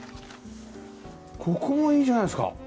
ここもいいじゃないですか！